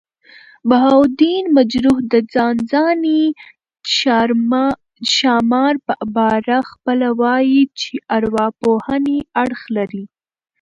بهاوالدین مجروح د ځانځانۍ ښامارپه باره پخپله وايي، چي ارواپوهني اړخ لري.